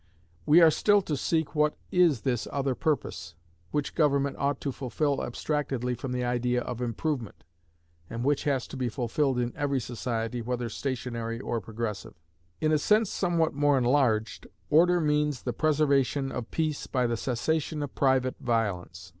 We are still to seek what is this other purpose, which government ought to fulfill abstractedly from the idea of improvement, and which has to be fulfilled in every society, whether stationary or progressive. In a sense somewhat more enlarged, Order means the preservation of peace by the cessation of private violence.